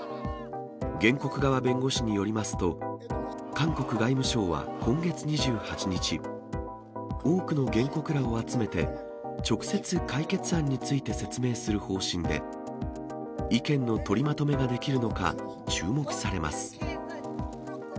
原告側弁護士によりますと、韓国外務省は今月２８日、多くの原告らを集めて、直接、解決案について説明する方針で、意見の取りまとめができるのか注目されます。